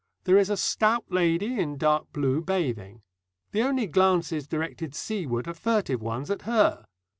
There is a stout lady, in dark blue, bathing. The only glances directed seaward are furtive ones at her.